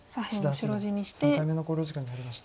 志田八段３回目の考慮時間に入りました。